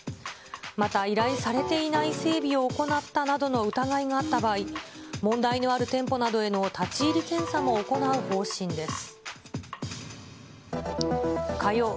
また依頼されていない整備を行ったなどの疑いがあった場合、問題のある店舗などへの立ち入り検査も行う方針です。